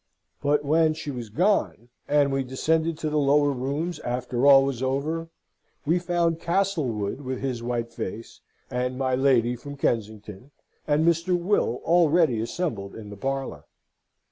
But when she was gone, and we descended to the lower rooms after all was over, we found Castlewood with his white face, and my lady from Kensington, and Mr. Will already assembled in the parlour.